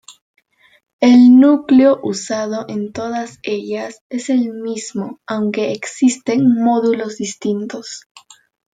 El núcleo usado en todas ellas es el mismo, aunque existen módulos distintos.